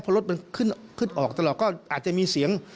เพราะรถมันขึ้นออกตลอดก็อาจจะมีเสียง